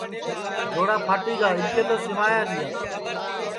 جوڑا پھاٹی گا آٻکے تو سوایا تیا